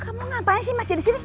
kamu ngapain sih masih di sini